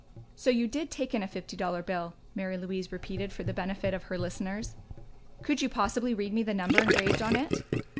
"So you did take in a fifty dollar bill?" Mary Louise repeated for the benefit of her listeners. "Could you possibly read me the number engraved on it?"